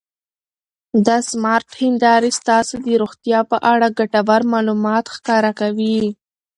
دا سمارټ هېندارې ستاسو د روغتیا په اړه ګټور معلومات ښکاره کوي.